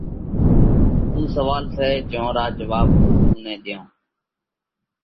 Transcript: اُو سوئال سئہ جيون را جواٻ ھُون تو نئين ۮيون۔